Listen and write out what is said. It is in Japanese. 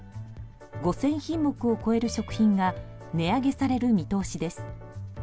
５０００品目を超える食品が値上げされる見通しです。